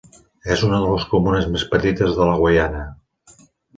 És una de les comunes més petites de la Guaiana.